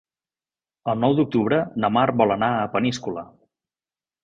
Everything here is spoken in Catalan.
El nou d'octubre na Mar vol anar a Peníscola.